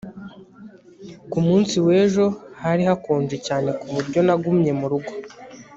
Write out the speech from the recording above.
ku munsi w'ejo hari hakonje cyane ku buryo nagumye mu rugo